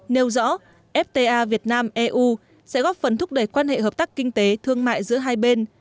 nêu rõ fta việt nam eu sẽ góp phần thúc đẩy quan hệ hợp tác kinh tế thương mại giữa hai bên